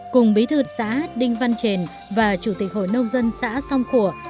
cùng bí thư xã đinh văn trền và chủ tịch hội nông dân xã song khổ